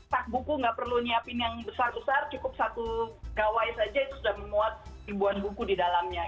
tak buku nggak perlu nyiapin yang besar besar cukup satu gawai saja itu sudah memuat ribuan buku di dalamnya